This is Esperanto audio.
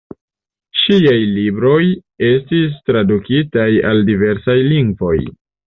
Ŝiaj libroj estis tradukitaj al diversaj lingvoj.